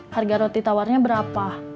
harga roti tawarnya berapa